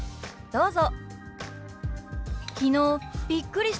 どうぞ。